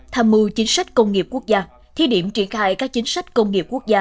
tham mưu chính sách công nghiệp quốc gia thi điểm triển khai các chính sách công nghiệp quốc gia